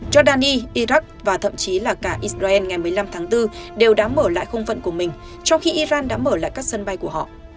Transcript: giordani iraq và thậm chí là cả israel ngày một mươi năm tháng bốn đều đã mở lại không phận của mình trong khi iran đã mở lại các sân bay của họ